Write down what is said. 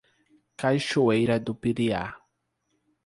Cachoeira do Piriá